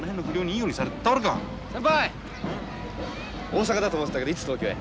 大阪だと思ってたけどいつ東京へ？